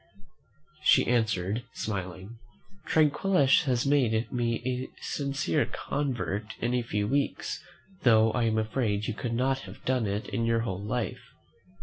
She answered, smiling, "Tranquillus has made me a sincere convert in a few weeks, though I am afraid you could not have done it in your whole life.